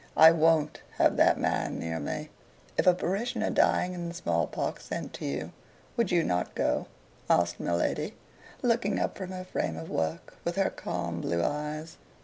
I WON'T have that man near me." "If a parishioner dying in the small pox sent to you, would you not go?" asked my lady, looking up from her frame of work, with her calm blue eyes.